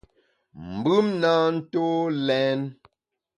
Mbùm na ntô lèn.